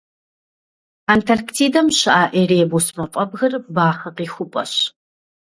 Антарктидэм щыӏэ Эребус мафӏэбгыр бахъэ къихупӏэщ.